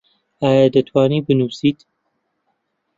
ئایا دەتوانیت بنووسیت؟